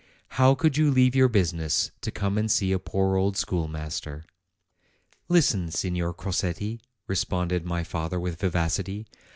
How could you leave your business, to come and see a poor old school master?'' ''Listen, Signor Crosetti," responded my father with vivacity.